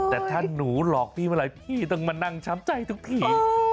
แต่ถ้าหนูหลอกพี่เมื่อไหร่พี่ต้องมานั่งช้ำใจทุกที